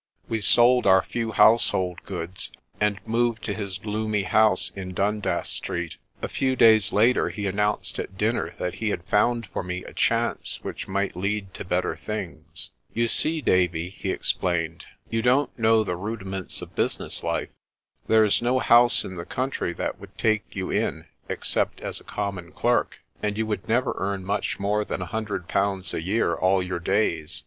We sold our few household goods, and moved to his gloomy house in Dundas Street. A few days later he announced at dinner that he had found for me a chance which might lead to better things. "You see, Davie," he explained, "you don't know the rudi FURTH! FORTUNE! 27 ments of business life. There's no house in the country that would take you in except as a common clerk, and you would never earn much more than a hundred pounds a year all your days.